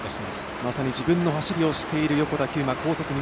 まさに自分の走りをしている横田玖磨。